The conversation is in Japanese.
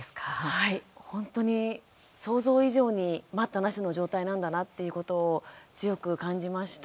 はい、本当に想像以上に待ったなしの状態なんだなっていうことを強く感じました。